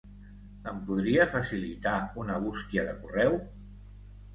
Em podria facilitar una bústia de correu?